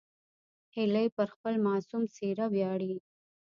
هیلۍ پر خپل معصوم څېره ویاړي